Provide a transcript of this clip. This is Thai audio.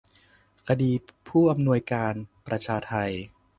คดีผู้อำนวยการประชาไท